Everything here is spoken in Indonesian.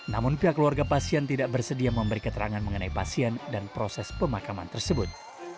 namun pihak keluarga pasien tidak bersedia memberi keterangan mengenai pasien dan proses pemakaman tersebut